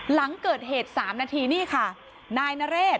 หลังเกิดเหตุ๓นาทีนี่ค่ะนายนเรศ